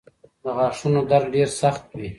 د غاښونو درد ډېر سخت وي.